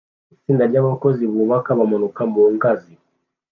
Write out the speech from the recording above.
Itsinda ryabakozi bubaka bamanuka mu ngazi